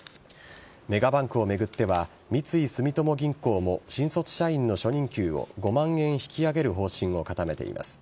メガバンクを巡っては三井住友銀行も新卒社員の初任給を５万円引き上げる方針を固めています。